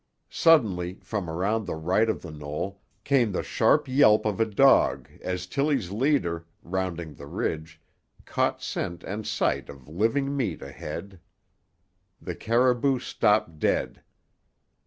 Suddenly, from around the right of the knoll, came the sharp yelp of a dog as Tillie's leader, rounding the ridge, caught scent and sight of living meat ahead. The caribou stopped dead.